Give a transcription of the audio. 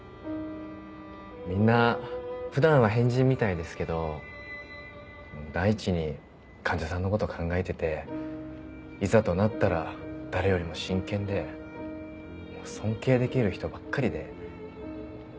みんな普段は変人みたいですけど第一に患者さんのこと考えてていざとなったら誰よりも真剣で尊敬できる人ばっかりで。